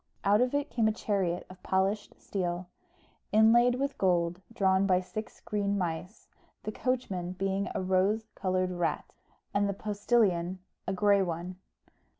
Out of it came a chariot of polished steel, inlaid with gold, drawn by six green mice, the coachman being a rose coloured rat, and the postilion a grey one.